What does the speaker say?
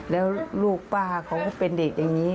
แล้วลูกป้าเขาก็เป็นเด็กอย่างนี้